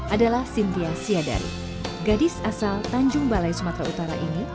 adalah cynthia siadari gadis asal tanjung balai sumatera utara ini